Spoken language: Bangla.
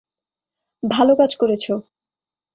ভালো কাজ করেছো।